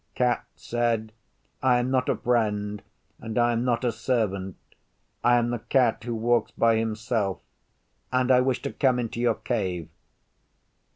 Cat said, 'I am not a friend, and I am not a servant. I am the Cat who walks by himself, and I wish to come into your cave.